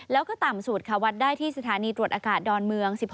แล้วก็ต่ำสุดค่ะวัดได้ที่สถานีตรวจอากาศดอนเมือง๑๖